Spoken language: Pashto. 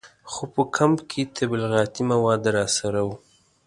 خو په کمپ کې تبلیغاتي مواد راسره وو.